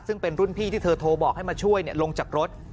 ซึ่งเป็นรุ่นพี่ที่เธอโทรบอกให้มาช่วยลงจากรถ